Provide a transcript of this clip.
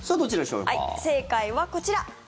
正解はこちら。